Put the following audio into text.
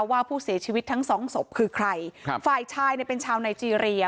ว่าผู้เสียชีวิตทั้งสองศพคือใครครับฝ่ายชายเนี่ยเป็นชาวไนเจรีย